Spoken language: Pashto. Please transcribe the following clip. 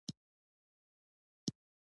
کندهار د افغان ځوانانو لپاره دلچسپي لري.